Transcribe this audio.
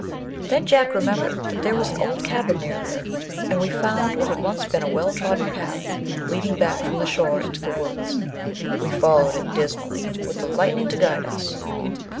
Then Jack remembered that there was an old cabin near there, and we found what had once been a well trodden path leading back from the shore into the woods. We followed it dismally, with the lightning to guide us.